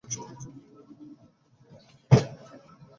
দ্বন্দ্বটা প্রথমে সীমাবদ্ধ ছিল রাষ্ট্রীয় বা রাজনৈতিক পর্যায়ে।